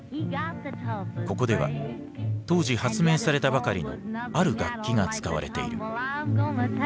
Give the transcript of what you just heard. ここでは当時発明されたばかりのある楽器が使われている。